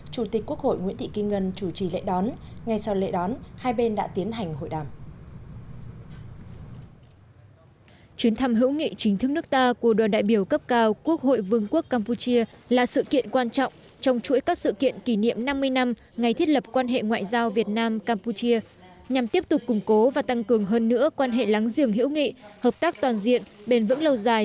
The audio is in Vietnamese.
chủ tịch quốc hội nguyễn thị kim ngân chủ trì lễ đón ngay sau lễ đón hai bên đã tiến hành hội đàm